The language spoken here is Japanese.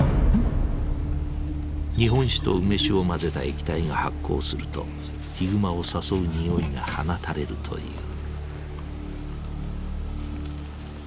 日本酒と梅酒を混ぜた液体が発酵するとヒグマを誘う匂いが放たれるという。